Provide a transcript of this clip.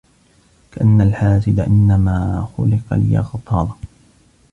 كأن الحاسد إنما خلق ليغتاظ